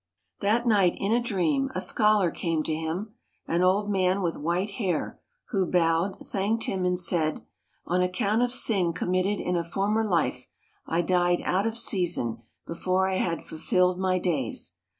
That night, in a dream, a scholar came to him, an old man with white hair, who bowed, thanked him, and said, "On account of sin committed in a former life, I died out of season before I had fulfilled my days.